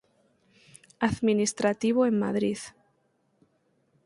Administrativo en Madrid.